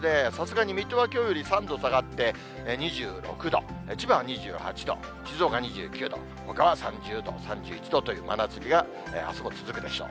さすがに水戸はきょうより３度下がって、２６度、千葉は２８度、静岡２９度、ほかは３０度、３１度という真夏日があすも続くでしょう。